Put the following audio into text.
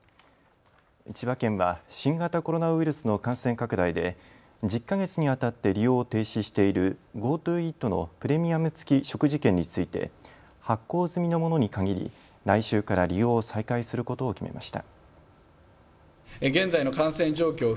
千葉県は新型コロナウイルスの感染拡大で１０か月にわたって利用を停止しているＧｏＴｏイートのプレミアム付き食事券について発行済みのものに限り来週から利用を再開することを決めました。